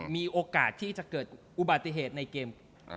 มีโอกาสที่จะเกิดอุบัติเหตุในเกม